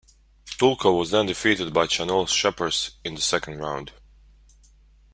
Dulko was then defeated by Chanelle Scheepers in the second round.